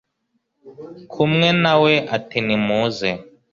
kumwe na we ati ni muze